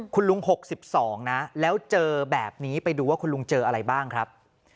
คุณลุง๖๒นะแล้วเจอแบบนี้ไปดูว่าคุณลุงเจออะไรบ้างครับ